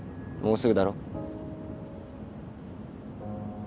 もうすぐだろ？